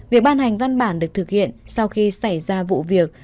việc ban hành văn bản được thực hiện sau khi xảy ra vụ việc